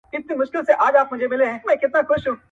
دلته کيسه يوازي کورنۍ غميزه نه پاته کيږي بلکي پراخ مفهوم اخلي-